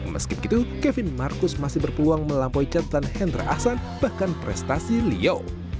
meskipun itu kevin marcus masih berpeluang melampaui catatan hendra hasan bahkan prestasi leo